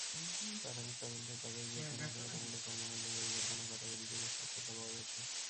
প্রাথমিক তদন্তে তাঁদের বিরুদ্ধে নাশকতামূলক কর্মকাণ্ডের পরিকল্পনা করার অভিযোগের সত্যতা পাওয়া গেছে।